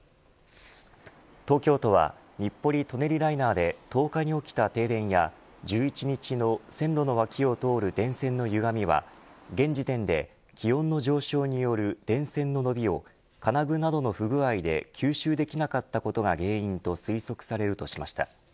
東京都は日暮里・舎人ライナーで１０日に起きた停電や、１１日の線路の脇を通る電線のゆがみは現時点で気温の上昇による電線の伸びを金具などの不具合で吸収できなかったことが原因と推測されるとしました。